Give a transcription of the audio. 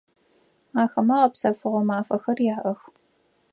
Ахэмэ гъэпсэфыгъо мафэхэр яӏэх.